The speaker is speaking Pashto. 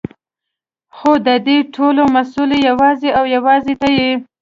خو ددې ټولو مسؤل يې يوازې او يوازې ته يې.